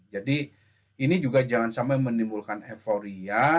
jadi ini juga jangan sampai menimbulkan euforia